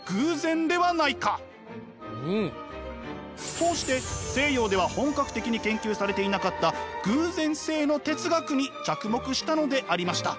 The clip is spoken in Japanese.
こうして西洋では本格的に研究されていなかった偶然性の哲学に着目したのでありました。